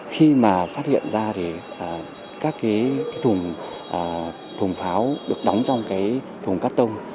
khi mà phát hiện ra các thùng pháo được đóng trong thùng cắt tông